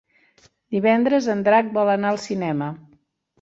Divendres en Drac vol anar al cinema.